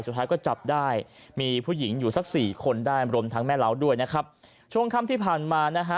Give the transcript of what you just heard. สุดท้ายก็จับได้มีผู้หญิงอยู่สักสี่คนได้รวมทั้งแม่เล้าด้วยนะครับช่วงค่ำที่ผ่านมานะฮะ